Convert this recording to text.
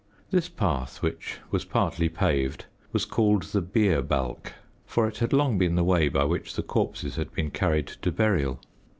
This path, which was partly paved, was called "the bier balk," for it had long been the way by which the corpses had been carried to burial.